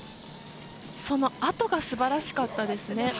そのあとがすばらしかったですね。